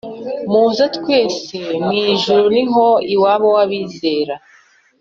muze mwese mwijuru niho iwabo wabizera